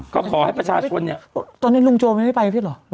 ก็ขอให้ประชาชนเนี่ยตอนนี้ลุงโจไม่ได้ไปพี่เหรอ